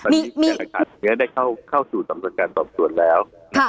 ตอนนี้ได้เข้าสู่สำนวนการสอบสวนแล้ว